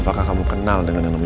apakah kamu kenal dengan namanya adi